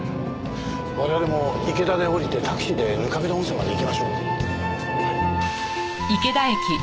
我々も池田で降りてタクシーで糠平温泉まで行きましょう。